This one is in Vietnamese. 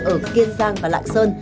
ở kiên giang và lạng sơn